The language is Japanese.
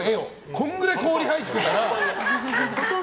これくらい氷入ってたら。